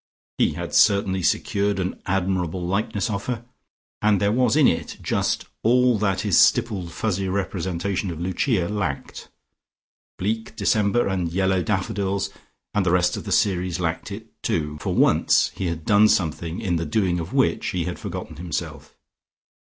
He had certainly secured an admirable likeness of her, and there was in it just all that his stippled, fussy representation of Lucia lacked. "Bleak December" and "Yellow Daffodils" and the rest of the series lacked it, too: for once he had done something in the doing of which he had forgotten himself.